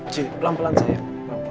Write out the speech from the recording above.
cie pelan pelan sayang